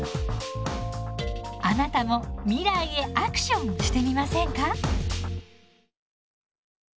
あなたも未来へアクションしてみませんか？